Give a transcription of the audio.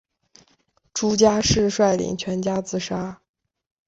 朱家仕率领全家自杀。